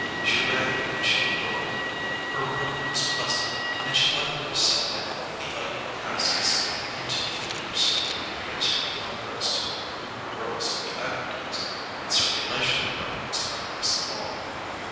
She read and she embroidered. Her room was pleasant, and she liked to be seen at ladylike tasks and to feel herself a graceful contrast to the crude girls in the advertising and circulation departments across the hall.